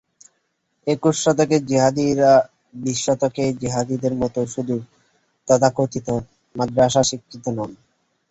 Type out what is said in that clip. একুশ শতকের জিহাদিরা বিশ শতকের জিহাদিদের মতো শুধু তথাকথিত মাদ্রাসাশিক্ষিত নন।